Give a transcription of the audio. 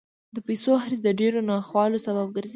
د پیسو حرص د ډېرو ناخوالو سبب ګرځي.